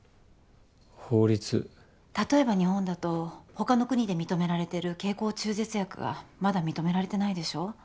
例えば日本だと他の国で認められてる経口中絶薬がまだ認められてないでしょ？